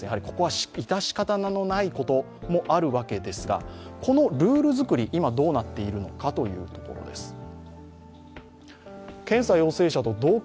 ここは致し方のないところもあるわけですがこのルール作り、今どうなっているのかというところです。